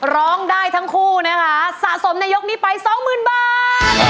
ร้องได้ทั้งคู่นะคะสะสมในยกนี้ไป๒๐๐๐๐บาท